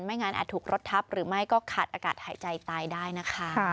งั้นอาจถูกรถทับหรือไม่ก็ขาดอากาศหายใจตายได้นะคะ